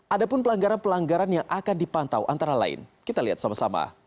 ada pun pelanggaran pelanggaran yang akan dipantau antara lain kita lihat sama sama